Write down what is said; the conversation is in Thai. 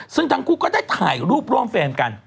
ซึ่งทั้งคู่ก็ได้ถ่ายรูปร่วมแฟนกัน